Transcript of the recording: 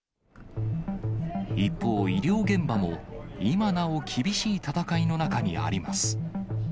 一方、医療現場も今なお厳しい闘いの中にあります。